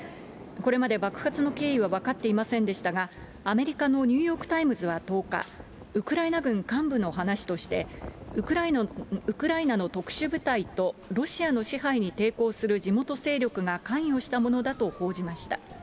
これまで爆発の経緯は分かっていませんでしたが、アメリカのニューヨーク・タイムズは１０日、ウクライナ軍幹部の話として、ウクライナの特殊部隊とロシアの支配に抵抗する地元勢力が関与したものだと報じました。